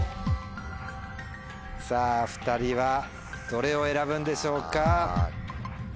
さぁ２人はどれを選ぶんでしょうか？